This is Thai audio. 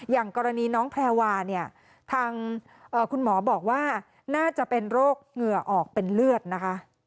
อย่างกรณีน้องแพรวาเนี่ยทางคุณหมอบอกว่าน่าจะเป็นโรคเหงื่อออกเป็นเลือดนะคะ